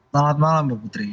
selamat malam mbak putri